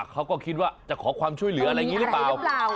เขาก็คิดว่าจะขอความช่วยเหลืออะไรอย่างนี้หรือเปล่า